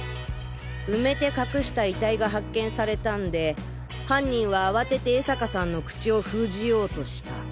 埋めて隠した遺体が発見されたんで犯人は慌てて江坂さんの口を封じようとした。